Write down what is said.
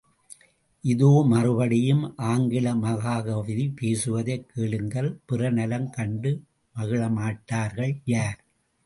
இதோ மறுபடியும் ஆங்கில மகாகவி பேசுவதைக் கேளுங்கள் பிறர் நலம் கண்டு மகிழமாட்டார்கள் யார்?